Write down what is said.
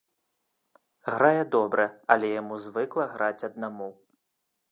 Грае добра, але яму звыкла граць аднаму.